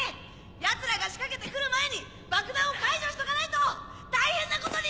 奴らが仕掛けてくる前に爆弾を解除しとかないと大変なことに！